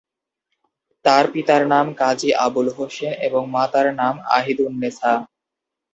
তার পিতার নাম কাজী আবুল হোসেন এবং মাতার নাম আহিদুন্নেছা।